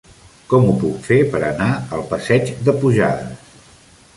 Com ho puc fer per anar al passeig de Pujades?